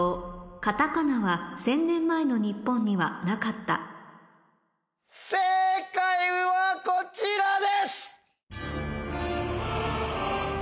カタカナは１０００年前の日本にはなかった正解はこちらです！